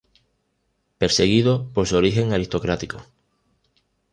Perseguido por su origen aristocrático.